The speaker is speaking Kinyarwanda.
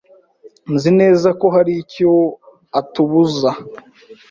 Nzi neza ko hari icyo atubuza.